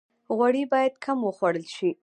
غوړي باید کم وخوړل شي